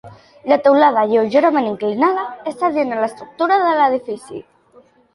La teulada lleugerament inclinada és adient a l'estructura de l'edifici.